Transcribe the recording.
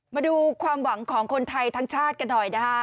มาดูความหวังของคนไทยทั้งชาติกันหน่อยนะฮะ